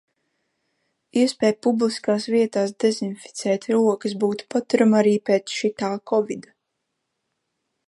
Iespēja publiskās vietās dezinficēt rokas būtu paturama arī pēc šitā kovida.